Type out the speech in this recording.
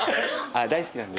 大好きなんで。